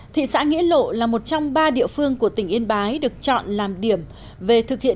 thị xã nghĩa lộ là một trong ba địa phương của tỉnh yên bái được chọn làm điểm về thực hiện